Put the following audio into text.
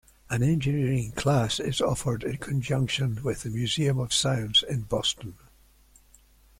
An engineering class is offered in conjunction with the Museum of Science in Boston.